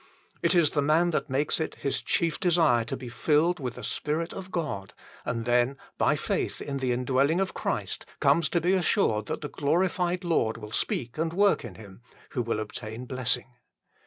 It is the man that makes it his chief desire to be filled with the Spirit of God, and then by faith in the indwelling of Christ comes to be assured that the glorified Lord will speak and work in him, who will obtain blessing.